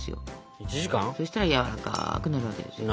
そしたらやわらかくなるわけですよ。